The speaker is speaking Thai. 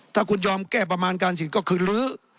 ถ้าคุณยอมแก้ประมาณการเศรษฐกิจก็คือลื้อ